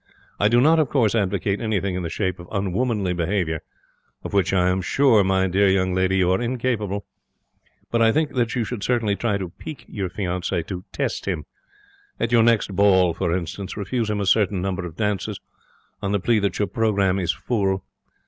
I do not, of course, advocate anything in the shape of unwomanly behaviour, of which I am sure, my dear young lady, you are incapable; but I think that you should certainly try to pique your fiance, to test him. At your next ball, for instance, refuse him a certain number of dances, on the plea that your programme is full.